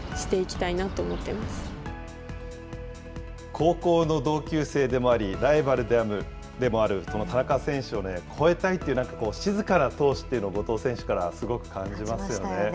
高校の同級生でもあり、ライバルでもある田中選手を超えたいという、なんか静かな闘志というのを、感じましたよね。